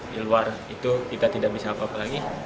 di luar itu kita tidak bisa apa apa lagi